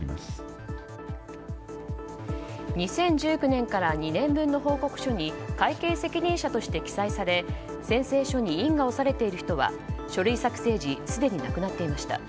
２０１９年から２年分の報告書に会計責任者として記載されて宣誓書に印が押されている人は書類作成時すでに亡くなっていました。